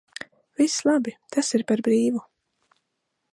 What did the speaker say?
Viss labi, tas ir par brīvu.